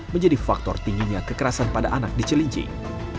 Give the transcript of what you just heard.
menjadi faktor tingginya kekerasan pada anak di cilincing